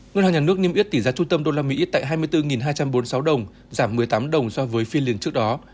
ngân hàng nhà nước niêm yết tỷ giá trung tâm đô la mỹ tại hai mươi bốn hai trăm bốn mươi sáu đồng giảm một mươi tám đồng so với phiên liền trước đó